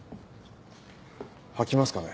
吐きますかね？